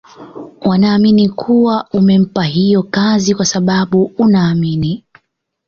wanaamini kuwa umempa hiyo kazi kwa sababu unaamini